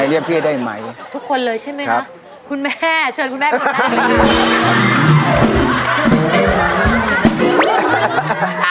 ทุกคนเลยใช่ไหมครับคุณแม่เชิญคุณแม่ข้างหน้า